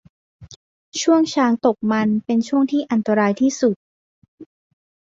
ช่วงช้างตกมันเป็นช่วงที่อันตรายที่สุด